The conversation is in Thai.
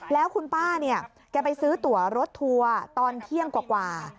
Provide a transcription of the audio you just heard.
แล้วคุณป้าเนี่ยแกไปซื้อตัวรถทัวร์ตอนเที่ยงกว่า